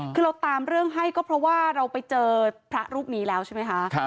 คือเราตามเรื่องให้ก็เพราะว่าเราไปเจอพระรูปนี้แล้วใช่ไหมคะ